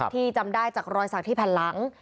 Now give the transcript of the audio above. จำได้จากรอยสักที่แผ่นหลัง